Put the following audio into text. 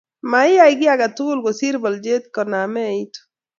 maiyai kiy age tugul kosir bolche koname iitu